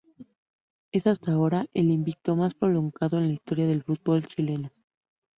Es hasta ahora el invicto más prolongado en la historia del fútbol chileno.